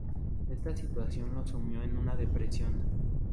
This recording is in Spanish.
Esta situación lo sumió en una depresión.